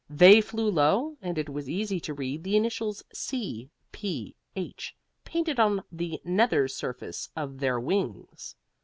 They flew low, and it was easy to read the initials C.P.H. painted on the nether surface of their wings.